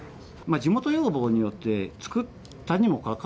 地元要望によって作ったにもかか